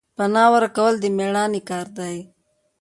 پنا ورکول د میړانې کار دی